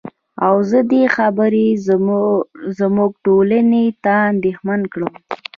او زه دې خبرې زمونږ ټولنې ته اندېښمن کړم.